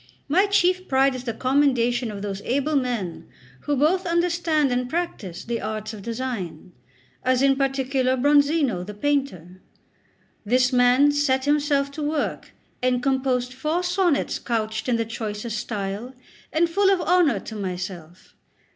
My chief pride is the commendation of those able men who both understand and practise the arts of design as in particular Bronzino, the painter; this man set himself to work, and composed four sonnets couched in the choicest style, and full of honour to myself.